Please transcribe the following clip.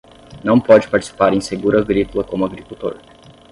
Não pode participar em seguro agrícola como agricultor